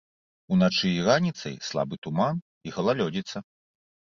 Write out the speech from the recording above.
Уначы і раніцай слабы туман і галалёдзіца.